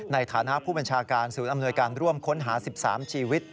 ในฐานะผู้บัญชาการศูนย์อำนวยการร่วมค้นหา๑๓ชีวิต